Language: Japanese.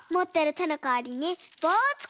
てのかわりにぼう？